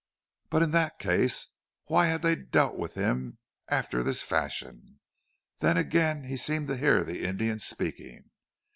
But in that case why had they dealt with him after this fashion? Then again he seemed to hear the Indian speaking.